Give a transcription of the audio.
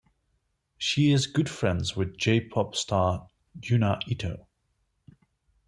She is good friends with J-Pop star Yuna Ito.